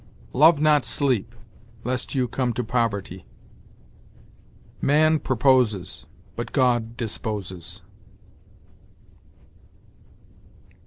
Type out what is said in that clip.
"Love not sleep, lest you come to poverty." "Man proposes, but God disposes."